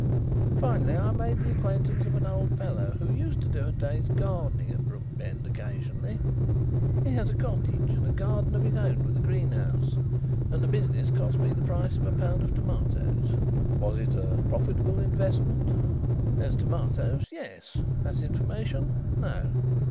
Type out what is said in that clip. Finally I made the acquaintance of an old fellow who used to do a day's gardening at Brookbend occasionally. He has a cottage and a garden of his own with a greenhouse, and the business cost me the price of a pound of tomatoes." "Was it a profitable investment?" "As tomatoes, yes; as information, no.